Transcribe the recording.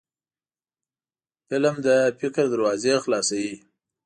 فلم د فکر دروازې خلاصوي